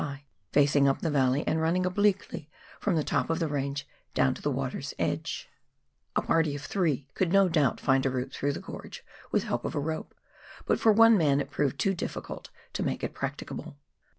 high, facing up the valley, and running obliquely from the top of the range down to the water's edge. A party of 198 PIONEER WORK IN THE ALPS OF NEW ZEALAND. three could no doubt find a route through the gorge with help of a rope, but for one man it proved too difficult to make it practicable.